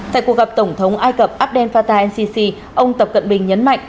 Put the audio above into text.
tại cuộc gặp tổng thống ai cập abdel fattah el sisi ông tập cận bình nhấn mạnh